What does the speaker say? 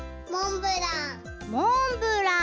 「モンブラン」